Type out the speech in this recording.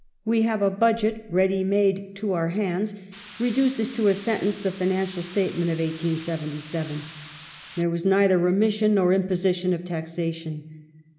We have a Budget ready made to our hands " re duces to a sentence the financial statement of 1877. There was neither remission nor imposition of taxation.